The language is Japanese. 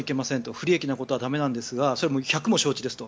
不利益なことは駄目なんですが１００も承知だと。